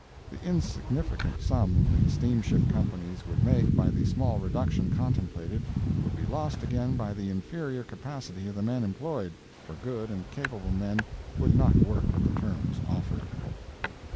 The insignificant sum the steamship companies would make by the small reduction contemplated, would be lost again by the inferior capacity of the men employed, for good and capable men would not work at the terms offered.